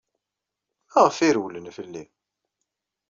Maɣef ay rewlen fell-i?